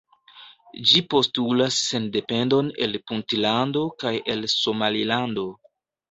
Ĝi postulas sendependon el Puntlando kaj el Somalilando.